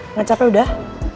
nggak capek udah